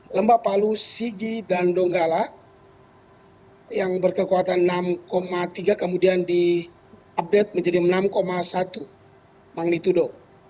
lembak palu sigi dan donggala yang berkekuatan enam tiga kemudian diupdate menjadi enam satu magnitudo